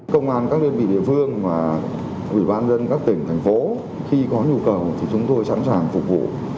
công an các đơn vị địa phương và ủy ban dân các tỉnh thành phố khi có nhu cầu thì chúng tôi sẵn sàng phục vụ